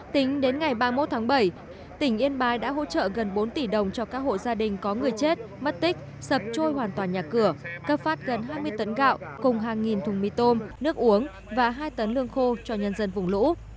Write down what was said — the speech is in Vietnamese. tính đến ngày ba mươi một tháng bảy tỉnh yên bái đã hỗ trợ gần bốn tỷ đồng cho các hộ gia đình có người chết mất tích sập trôi hoàn toàn nhà cửa cấp phát gần hai mươi tấn gạo cùng hàng nghìn thùng mì tôm nước uống và hai tấn lương khô cho nhân dân vùng lũ